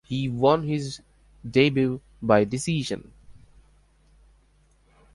He won his debut by decision.